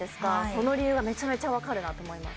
その理由がめちゃめちゃわかるなと思います